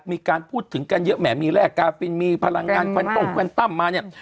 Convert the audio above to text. มีการพูดถึงกันเยอะแหมมีแร่กาฟินมีพลังงานควันตรงควันตั้มมาเนี่ย